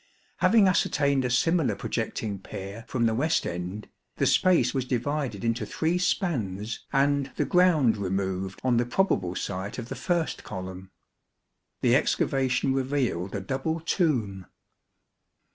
Having ascertained a similar projecting pier from the west end, the space was divided into three spans and the ground removed on the probable site of the first column. The excavation revealed a double tomb.